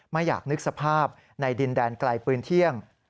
ไม่อยากนึกสภาพในดินแดนไกลปืนเที่ยง